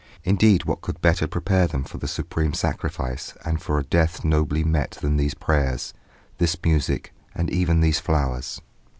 Indeed what could better prepare them for the supreme sacrifice and for a death nobly met than these prayers, this music and even these flowers?